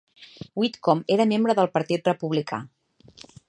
Whitcomb era membre del partit Republicà.